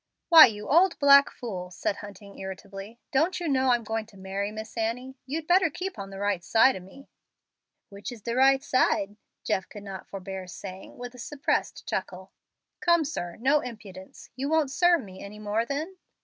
"Why, you old black fool," said Hunting, irritably, "don't you know I'm going to marry Miss Annie? You'd better keep on the right side of me." "Which is de right side?" Jeff could not forbear saying, with a suppressed chuckle. "Come, sir, no impudence. You won't serve me any more then?"